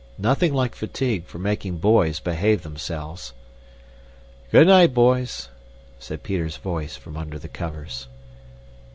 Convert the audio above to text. Nothing like fatigue for making boys behave themselves! "Good night, boys!" said Peter's voice from under the covers.